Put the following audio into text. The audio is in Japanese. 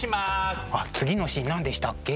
あっ次のシーン何でしたっけ？